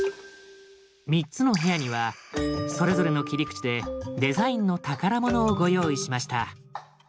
３つの部屋にはそれぞれの切り口でデザインの宝物をご用意しました。